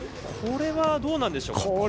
これはどうなんでしょう？